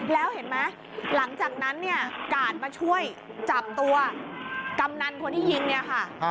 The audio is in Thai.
แล้วเห็นไหมหลังจากนั้นเนี่ยกาดมาช่วยจับตัวกำนันคนที่ยิงเนี่ยค่ะ